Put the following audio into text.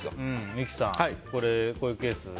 三木さん、こういうケース。